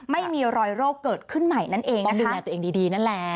ไม่มีรอยโรคเกิดขึ้นใหม่นั่นเองก็ดูแลตัวเองดีนั่นแหละ